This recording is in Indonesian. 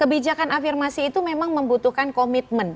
kebijakan afirmasi itu memang membutuhkan komitmen